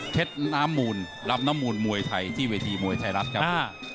น้ำมูลรับน้ำมูลมวยไทยที่เวทีมวยไทยรัฐครับ